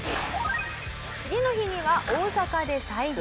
次の日には大阪で催事。